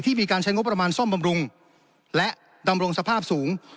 มีการใช้งบประมาณซ่อมบำรุงและดำรงสภาพสูง